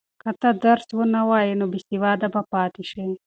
که ته درس ونه وایې نو بېسواده به پاتې شې.